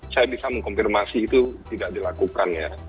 saya bisa mengkonfirmasi itu tidak dilakukan ya